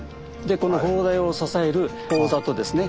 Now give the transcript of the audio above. この砲台を支える砲座とですね